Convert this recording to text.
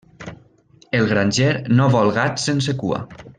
El granger no vol gats sense cua.